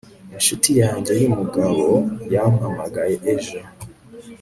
inshuti yanjye yumugabo yampamagaye ejo